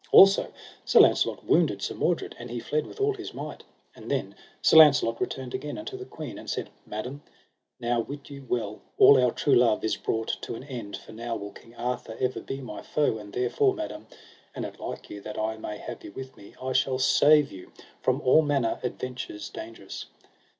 Also Sir Launcelot wounded Sir Mordred, and he fled with all his might. And then Sir Launcelot returned again unto the queen, and said: Madam, now wit you well all our true love is brought to an end, for now will King Arthur ever be my foe; and therefore, madam, an it like you that I may have you with me, I shall save you from all manner adventures dangerous.